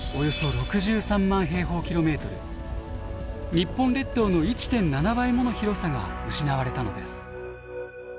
日本列島の１．７倍もの広さが失われたのです。